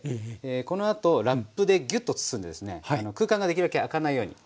このあとラップでギュッと包んで空間ができるだけ空かないように。